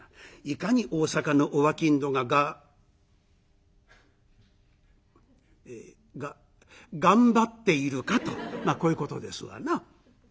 いかに大坂のお商人ががえが頑張っているかとまあこういうことですわな。